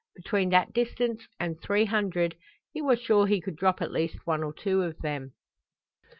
Between that distance and three hundred he was sure he could drop at least one or two of them.